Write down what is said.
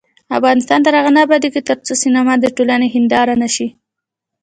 افغانستان تر هغو نه ابادیږي، ترڅو سینما د ټولنې هنداره نشي.